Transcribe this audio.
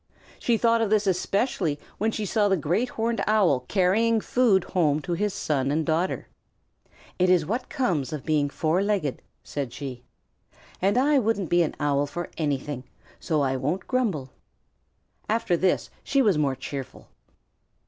She thought of this especially when she saw the Great Horned Owl carrying food home to his son and daughter. "It is what comes of being four legged," said she, "and I wouldn't be an Owl for anything, so I won't grumble." After this she was more cheerful.